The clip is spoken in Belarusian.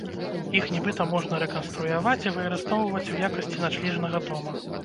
Іх нібыта можна рэканструяваць і выкарыстоўваць у якасці начлежнага дома.